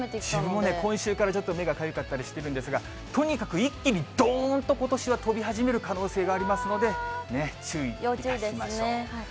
自分もね、今週から目がかゆかったりしてるんですが、とにかく一気にどーんとことしは飛び始める可能性がありますので、注意しましょう。